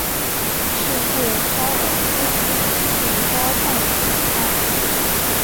世界高尔夫球锦标赛主办。